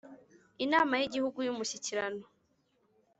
inama yigihugu yumushyikirano